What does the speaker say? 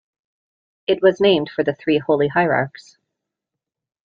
It was named for the Three Holy Hierarchs.